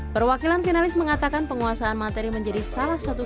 perwakilan finalis mengatakan penguasaan materi menjadi salah satu